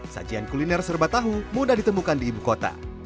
sajian kuliner serba tahu mudah ditemukan di ibu kota